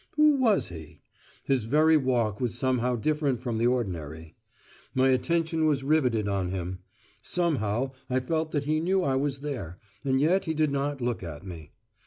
Who was he? His very walk was somehow different from the ordinary. My attention was riveted on him; somehow I felt that he knew I was there, and yet he did not look at me.